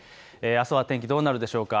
あすは天気どうなるでしょうか。